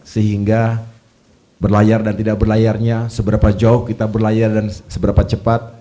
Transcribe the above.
sehingga berlayar dan tidak berlayarnya seberapa jauh kita berlayar dan seberapa cepat